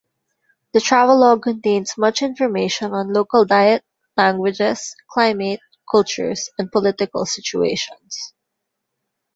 The travelogue contains much information on local diet, languages, climate, cultures, and political situations.